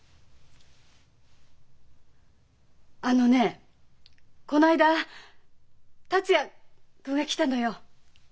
あのねこの間達也君が来たのよ。